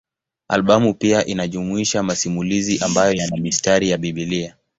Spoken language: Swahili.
Albamu pia inajumuisha masimulizi ambayo yana mistari ya Biblia.